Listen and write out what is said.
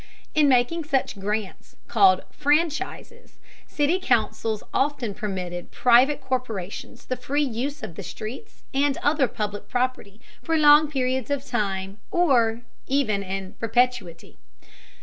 In making such grants, called franchises, city councils often permitted private corporations the free use of the streets and other public property for long periods of time or even in perpetuity.